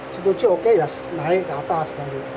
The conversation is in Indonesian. setuju oke ya naik ke atas